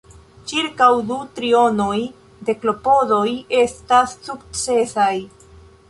Ĉirkaŭ du trionoj de klopodoj estas sukcesaj.